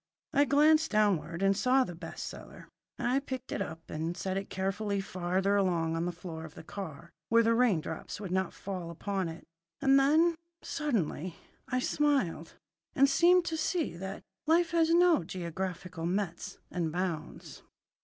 I glanced downward and saw the best seller. I picked it up and set it carefully farther along on the floor of the car, where the rain drops would not fall upon it. And then, suddenly, I smiled, and seemed to see that life has no geographical metes and bounds.